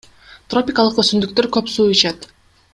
Тропикалык өсүмдүктөр көп суу ичет.